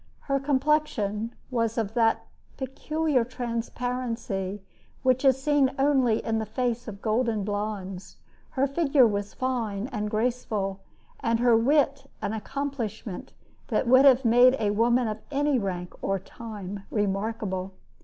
Her complexion was of that peculiar transparency which is seen only in the face of golden blondes. Her figure was fine and graceful, and her wit an accomplishment that would have made a woman of any rank or time remarkable.